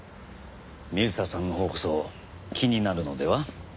水田さんのほうこそ気になるのでは？